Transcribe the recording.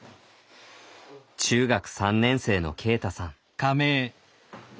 中学３年生のけいたさん。